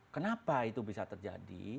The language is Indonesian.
kenapa itu bisa terjadi